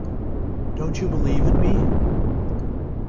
Don't you believe in me?